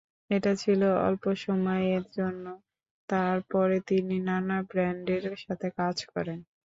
এটা ছিল অল্প সময়ের জন্য তার পরে তিনি নানা ব্যান্ডের সাথে কাজ করেন।